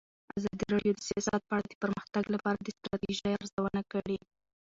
ازادي راډیو د سیاست په اړه د پرمختګ لپاره د ستراتیژۍ ارزونه کړې.